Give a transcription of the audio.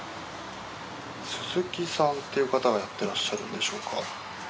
鈴木さんっていう方がやってらっしゃるんでしょうか。